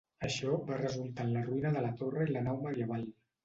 Això va resultar en la ruïna de la torre i nau medieval.